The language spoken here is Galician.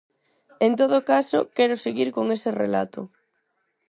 En todo caso, quero seguir con ese relato.